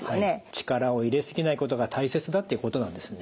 力を入れ過ぎないことが大切だっていうことなんですね。